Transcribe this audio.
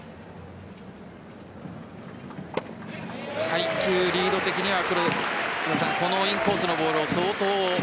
配球、リード的にはこのインコースのボールを相当。